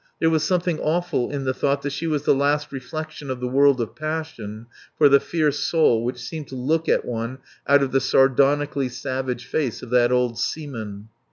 There was something awful in the thought that she was the last reflection of the world of passion for the fierce soul which seemed to look at one out of the sardonically savage face of that old seaman.